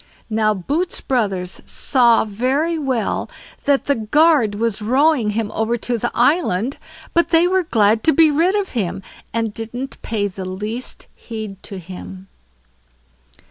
Now Boots' brothers saw very well that the guard was rowing him over to the island, but they were glad to be rid of him, and didn't pay the least heed to him.